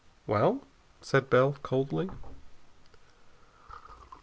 "Well?" said Bell coldly.